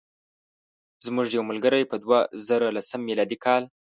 زموږ یو ملګری په دوه زره لسم میلادي کال.